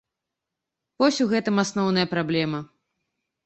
Вось у гэтым асноўная праблема.